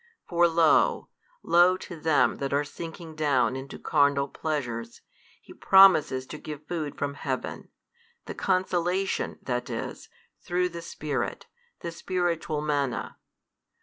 For lo, lo to them that are sinking down into carnal pleasures, He promises to give Food from Heaven, the consolation, that is, through the Spirit, the Spiritual Manna.